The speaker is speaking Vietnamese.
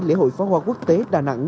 lễ hội phá hoa quốc tế đà nẵng